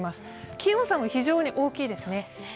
気温差も非常に大きいですね。